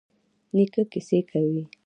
نیکه کیسې کوي.